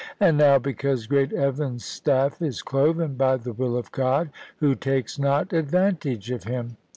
And now, because great Evan's staff is cloven, by the will of God, who takes not advantage of him?